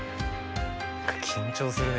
緊張するね